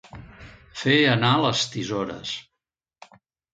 Fer anar les tisores.